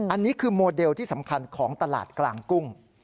อันนี้คือโมเดลที่สำคัญของตลาดกลางกุ้ง